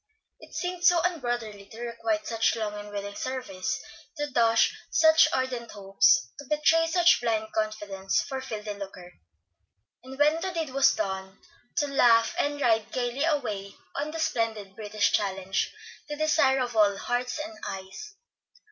It seemed so unbrotherly to requite such long and willing service, to dash such ardent hopes, to betray such blind confidence, for filthy lucre; and when the deed was done, to laugh, and ride gayly away on the splendid British Challenge, the desire of all hearts and eyes.